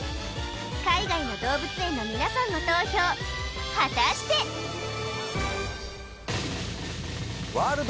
海外の動物園の皆さんも投票果たしてワールド！